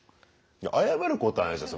いや謝ることはないじゃん。